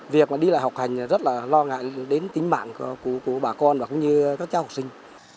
việc đi lại học hành rất là lo ngại đến tính mạng của bà con và cũng như các cháu học sinh